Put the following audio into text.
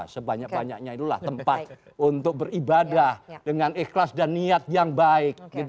sebanyak banyaknya itulah tempat untuk beribadah dengan ikhlas dan niat yang baik